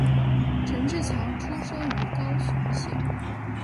陈志强出生于高雄县。